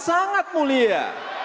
itu juga sangat mulia